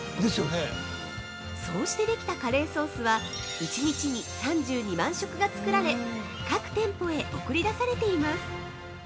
そうしてできたカレーソースは１日に３２万食が作られ各店舗へ送り出されています。